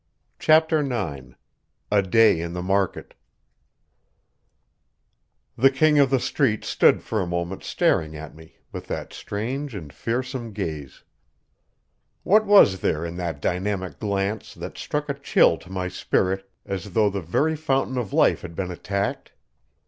CHAPTER IX A DAY IN THE MARKET The King of the Street stood for a moment staring at me with that strange and fearsome gaze. What was there in that dynamic glance that struck a chill to my spirit as though the very fountain of life had been attacked?